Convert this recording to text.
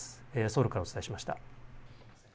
ソウルからお伝えしました。